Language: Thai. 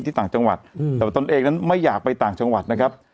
ต่างจังหวัดแต่ว่าตนเองนั้นไม่อยากไปต่างจังหวัดนะครับ